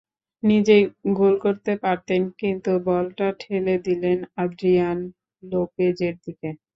নিজেই গোল করতে পারতেন, কিন্তু বলটা ঠেলে দিলেন আদ্রিয়ান লোপেজের দিকে।